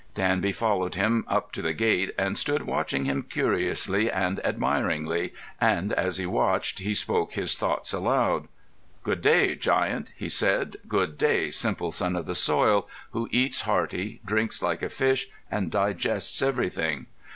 Danby followed him up to the gate, and stood watching him curiously and admiringly, and as he watched he spoke his thoughts aloud. "Good day, giant," he said. "Good day, simple son of the soil, who eats hearty, drinks like a fish, and digests everything.